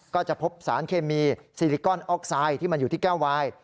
ก็จะพบสารเคมีซิลิกอนออกไซด์ที่มันอยู่ที่แก้ววาย